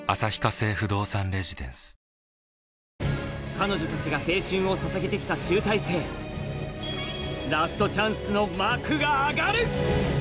彼女たちが青春を捧げてきた集大成ラストチャンスの幕が上がる